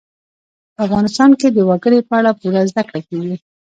په افغانستان کې د وګړي په اړه پوره زده کړه کېږي.